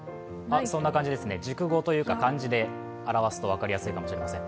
そんな感じですね、熟語というか漢字で表すと分かりやすいかもしれません。